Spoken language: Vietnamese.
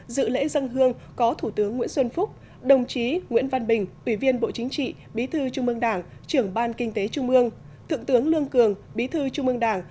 dự lễ dân hương có thủ tướng nguyễn xuân phúc đồng chí nguyễn văn bình ủy viên bộ chính trị bí thư trung ương đảng trưởng ban kinh tế trung ương thượng tướng lương cường bí thư trung ương đảng